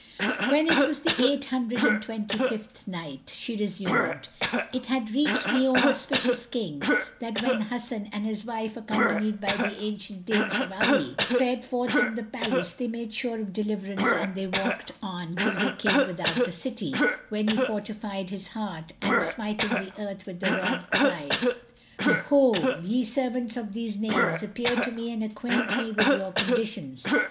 When it was the Eight Hundred and Twenty fifth Night, She resumed, It hath reached me, O auspicious King, that when Hasan and his wife, accompanied by the ancient dame Shawahi, fared forth from the palace, they made sure of deliverance and they walked on till they came without the city, when he fortified his heart and, smiting the earth with the rod, cried, "Ho, ye servants of these names, appear to me and acquaint me with your conditions!"